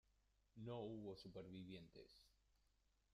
No hubo supervivientes.